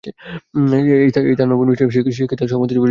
এই তাহার নবীন বয়সে সেকি তাহার সমস্ত জীবনের সুখ জলাঞ্জলি দিবে?